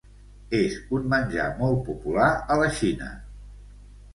És un menjar molt popular a la Xina.